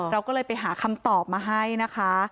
เราก็เลยไปหาคำตอบมาให้นะคะ